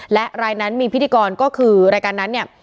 และรายนั้นมีพิธีกรก็คือรายการนั้นเนี่ย